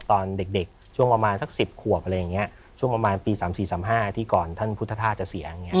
ตอนเด็กช่วงประมาณสัก๑๐ขวบอะไรอย่างนี้ช่วงประมาณปี๓๔๓๕ที่ก่อนท่านพุทธธาตุจะเสีย